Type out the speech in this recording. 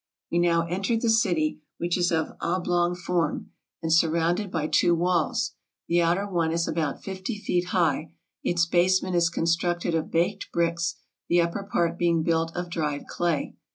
We now entered the city, which is of oblong form, and sur rounded by two walls ; the outer one is about fifty feet high ; its basement is constructed of baked bricks, the upper part being built of dried clay.